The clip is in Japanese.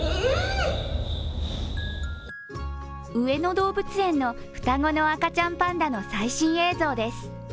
上野動物園の双子の赤ちゃんパンダの最新映像です。